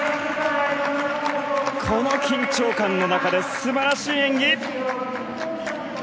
この緊張感の中ですばらしい演技。